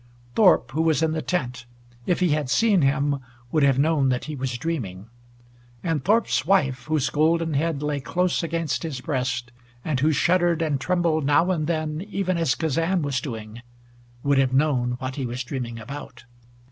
Thorpe, who was in the tent, if he had seen him, would have known that he was dreaming. And Thorpe's wife, whose golden head lay close against his breast, and who shuddered and trembled now and then even as Kazan was doing, would have known what he was dreaming about.